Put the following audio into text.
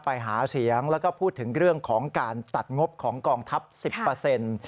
ไปหาเสียงแล้วก็พูดถึงเรื่องของการตัดงบของกองทัพสิบเปอร์เซ็นต์